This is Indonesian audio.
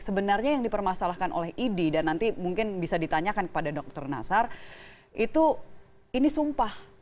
sebenarnya yang dipermasalahkan oleh idi dan nanti mungkin bisa ditanyakan kepada dokter nasar itu ini sumpah